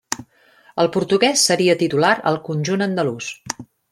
El portuguès seria titular al conjunt andalús.